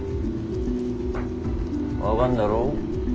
分かんだろ？